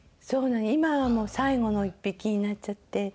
そう今はもう最後の１匹になっちゃって。